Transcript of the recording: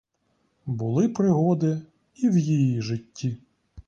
Були пригоди і в її житті.